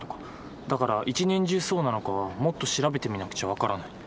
だから一年中そうなのかはもっと調べてみなくちゃ分からない。